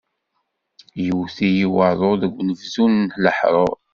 Yewwet-iyi waḍu deg unebdu n leḥrur!